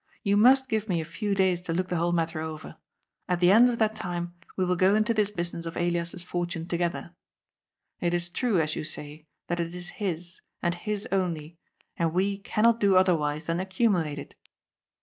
You must give me a few days to look the whole matter over. At the end of that time, we will go into this business of Elias's fortune together. It is true, as you say, that it is his, and his only, and we cannot do otherwise than accumulate it.